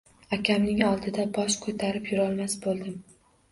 Akamning oldida bosh ko`tarib yurolmas bo`ldim